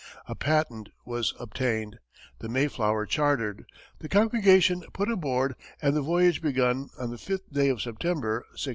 A patent was obtained, the Mayflower chartered, the congregation put aboard, and the voyage begun on the fifth day of September, 1620.